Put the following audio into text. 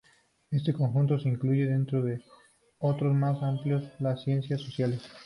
Este conjunto se incluye dentro de otro más amplio: las ciencias sociales.